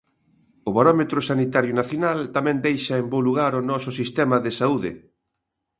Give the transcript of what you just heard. O barómetro sanitario nacional tamén deixa en bo lugar o noso sistema de saúde.